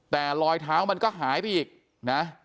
แต่รอยเท้ามันก็หายไปอีกนะ